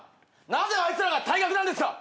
なぜあいつらが退学なんですか？